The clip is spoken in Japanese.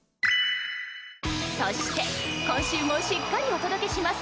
そして今週もしっかりお届けします。